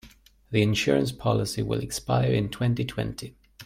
The insurance policy will expire in twenty-twenty.